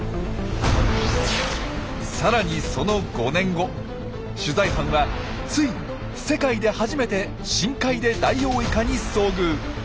さらにその５年後取材班はついに世界で初めて深海でダイオウイカに遭遇！